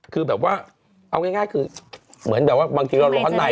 คือแบบว่าเอาง่ายคือเหมือนแบบว่าบางทีเราร้อนใน